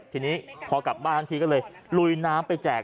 ทีนี้พอกลับบ้านทั้งทีก็เลยลุยน้ำไปแจก